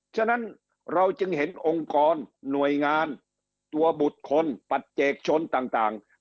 ฉะนั้นเราจึงเห็นองค์กรหน่วยงานตัวบุคคลปัจเจกชนต่าง